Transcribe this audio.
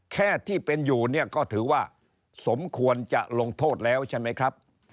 แค่ที่เป็นอยู่เนี่ยก็ถือว่าสมควรจะลงโทษแล้วใช่ไหมครับ